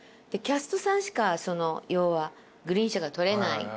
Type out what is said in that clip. キャストさんしか要はグリーン車が取れない。